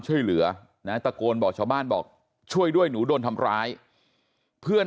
ช่วยเหลือนะตะโกนบอกชาวบ้านบอกช่วยด้วยหนูโดนทำร้ายเพื่อน